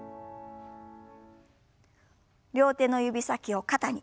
両手の指先を肩に。